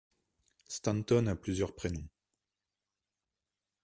Stanton a plusieurs prénoms.